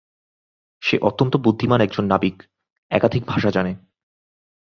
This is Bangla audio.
সে অত্যন্ত বুদ্ধিমান একজন নাবিক, একাধিক ভাষা জানে।